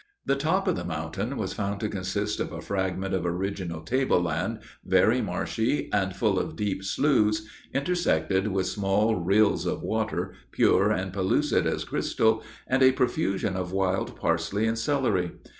The top of the mountain was found to consist of a fragment of original table land, very marshy, and full of deep sloughs, intersected with small rills of water, pure and pellucid as crystal, and a profusion of wild parsley and celery.